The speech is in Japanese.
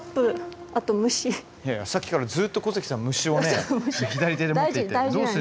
いやいやさっきからずっと小関さん虫をね左手で持っていて。